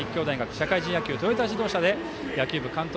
社会人野球トヨタ自動車で野球部監督